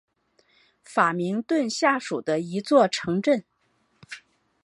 法明顿下属的一座城镇。